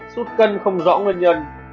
một xuất cân không rõ nguyên nhân